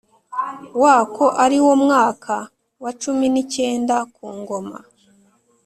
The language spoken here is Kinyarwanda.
Wako ari wo mwaka wa cumi n icyenda ku ngoma